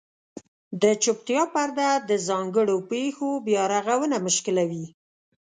د چوپتیا پرده د ځانګړو پېښو بیارغونه مشکلوي.